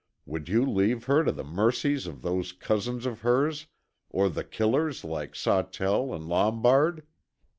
Would you leave her to the mercies of those cousins of hers, or the killers like Sawtell and Lombard?